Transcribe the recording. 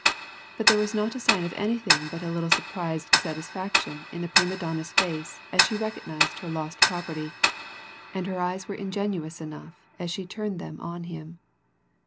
But there was not a sign of anything but a little surprised satisfaction in the prima donna's face as she recognized her lost property, and her eyes were ingenuous enough as she turned them on him.